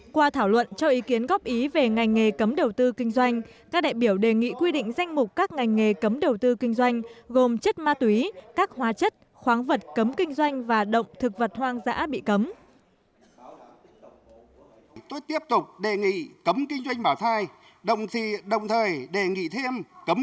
qua thảo luận cho ý kiến góp ý về ngành nghề cấm đầu tư kinh doanh các đại biểu đề nghị quy định danh mục các ngành nghề cấm đầu tư kinh doanh gồm chất ma túy các hóa chất khoáng vật cấm kinh doanh và động thực vật hoang dã bị cấm